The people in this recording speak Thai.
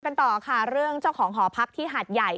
กันต่อค่ะเรื่องเจ้าของหอพักที่หาดใหญ่